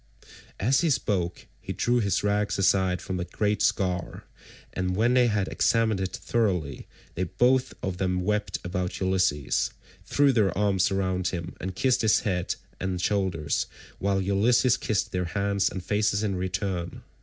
As he spoke he drew his rags aside from the great scar, and when they had examined it thoroughly, they both of them wept about Ulysses, threw their arms round him, and kissed his head and shoulders, while Ulysses kissed their hands and faces in return.